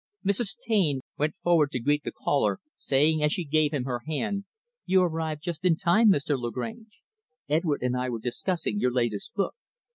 Mrs. Taine went forward to greet the caller; saying as she gave him her hand, "You arrived just in time, Mr. Lagrange; Edward and I were discussing your latest book.